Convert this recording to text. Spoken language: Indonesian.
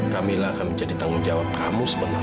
kamilah akan menjadi tanggung jawab kamu sebenarnya